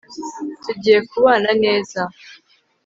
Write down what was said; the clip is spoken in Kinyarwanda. Tugiye kubana neza